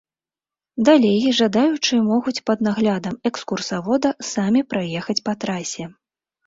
Далей жадаючыя могуць пад наглядам экскурсавода самі праехаць па трасе.